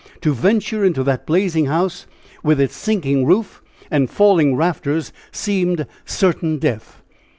To venture into that blazing house, with its sinking roof and falling rafters, seemed certain death.